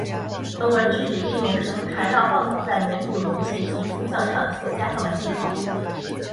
绳文是指利用绳缠绕棒子在黏土容器及塑像上所加上的记号。